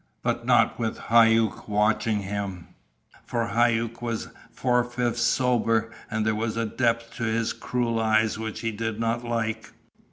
But not with Hauck watching him, for Hauck was four fifths sober, and there was a depth to his cruel eyes which he did not like.